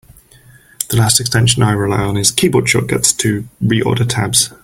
The last extension I rely on is Keyboard Shortcuts to Reorder Tabs.